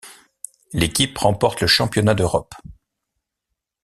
L'équipe remporte le championnat d'Europe.